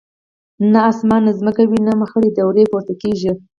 نه اسمان نه مځکه وینم خړي دوړي پورته کیږي